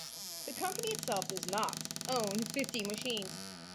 The company itself does "not" own fifty machines.